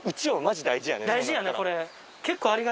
大事やなこれ。